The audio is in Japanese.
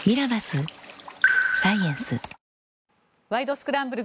スクランブル」